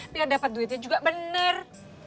biar dapat duitnya juga benar